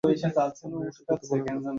আপনি এটা করতে পারেন না।